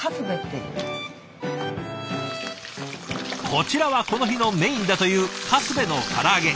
こちらはこの日のメインだというカスベの唐揚げ。